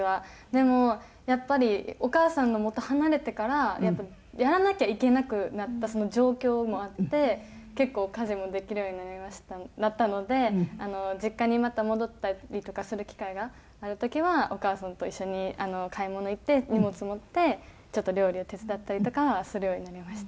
でもやっぱりお母さんのもとを離れてからやらなきゃいけなくなったその状況もあって結構家事もできるようになったので実家にまた戻ったりとかする機会がある時はお母さんと一緒に買い物行って荷物持ってちょっと料理を手伝ったりとかはするようになりました。